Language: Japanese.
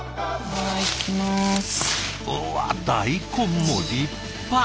うわ大根も立派！